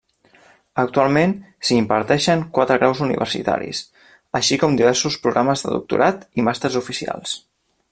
Actualment, s'hi imparteixen quatre graus universitaris, així com diversos programes de doctorat i màsters oficials.